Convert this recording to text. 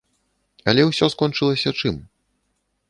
Але ўсё скончылася чым?